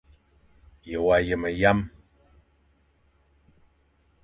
Ye wa yeme yame.